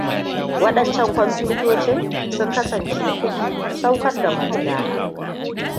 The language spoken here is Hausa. Wadancan kwamfutocin? Sun kasance kudi saukar da magudana.